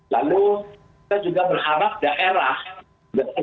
lalu kita juga berharap untuk memiliki vaksin